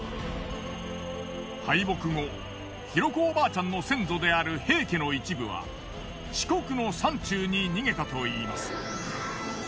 敗北後尋子おばあちゃんの先祖である平家の一部は四国の山中に逃げたといいます。